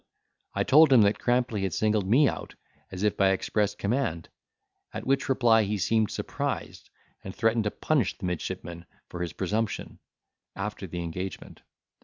I told him that Crampley had singled me out, as if by express command; at which reply he seemed surprised, and threatened to punish the midshipman for his presumption, after the engagement.